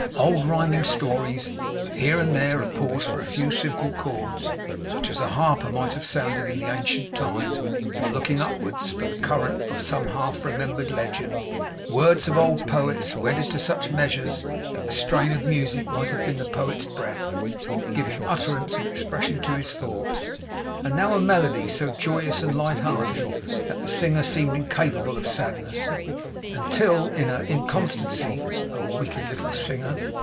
Old rhyming stories, with here and there a pause for a few simple chords, such as a harper might have sounded in the ancient time while looking upward for the current of some half remembered legend; words of old poets, wedded to such measures that the strain of music might have been the poet's breath, giving utterance and expression to his thoughts; and now a melody so joyous and light hearted, that the singer seemed incapable of sadness, until in her inconstancy (oh wicked little singer!)